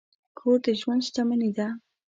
کور د ژوند شتمني ده.